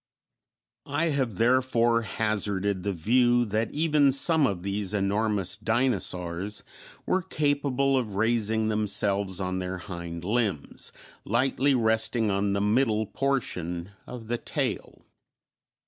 I have therefore hazarded the view that even some of these enormous dinosaurs were capable of raising themselves on their hind limbs, lightly resting on the middle portion of the tail.